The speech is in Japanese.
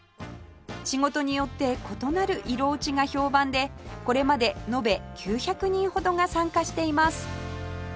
仕事によって異なる色落ちが評判でこれまで延べ９００人ほどが参加しています